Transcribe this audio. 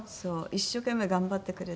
一生懸命頑張ってくれて。